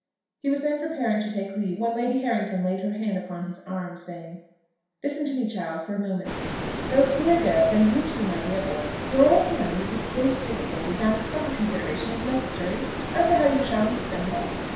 He was then preparing to take his leave when Lady Harrington laid her hand upon his arm, saying, "Listen to me, Charles, for a moment. Those dear girls, and you too, my dear boy, you are all surrounded with great difficulties, and some consideration is necessary as to how you shall meet them best.